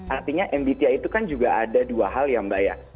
artinya mbti itu kan juga ada dua hal ya mbak ya